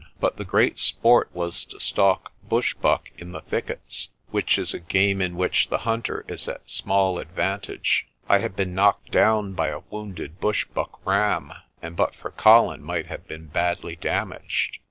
But the great sport was to stalk bush buck in the thickets, which is a game in which the hunter is at small advantage. I have been knocked down by a wounded bush buck ram, and but for Colin might have been badly damaged.